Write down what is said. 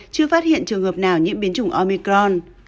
chưa phát hiện trường hợp nào nhiễm biến chủng omicron